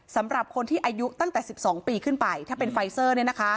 สำหรับคนที่อายุตั้งแต่๑๒ปีขึ้นไปถ้าเป็นไฟเซอร์